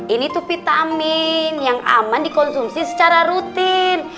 ini tuh vitamin yang aman dikonsumsi secara rutin